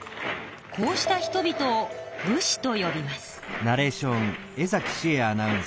こうした人々を武士とよびます。